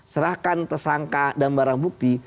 serahkan tersangka dan barang bukti